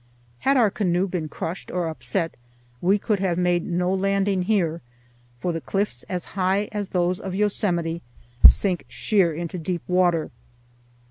Had our canoe been crushed or upset we could have made no landing here, for the cliffs, as high as those of Yosemite, sink sheer into deep water.